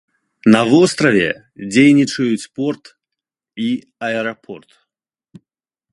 На востраве дзейнічаюць порт і аэрапорт.